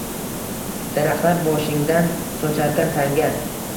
Daraxtlar boshingdan socharkan tanga?